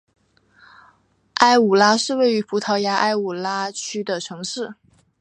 埃武拉是位于葡萄牙埃武拉区的城市。